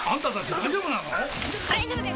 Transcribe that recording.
大丈夫です